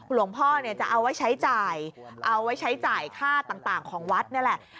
หลวงพ่อเนี่ยจะเอาไว้ใช้จ่ายเอาไว้ใช้จ่ายค่าต่างของวัดนี่แหละ